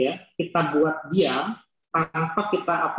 tanpa kita apa apa tanpa kita operasi tulang itu pasti akan nyambung